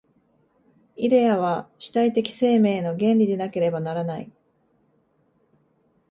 イデヤは主体的生命の原理でなければならない。